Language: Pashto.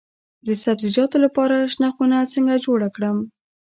د سبزیجاتو لپاره شنه خونه څنګه جوړه کړم؟